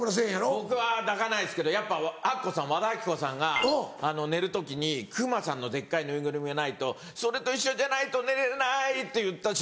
僕は抱かないですけどやっぱ和田アキ子さんが寝る時にクマさんのデッカいぬいぐるみがないと「それと一緒じゃないと寝れない」って言った瞬間